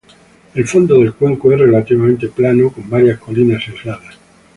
El fondo del cuenco es relativamente plano, con varias colinas aisladas.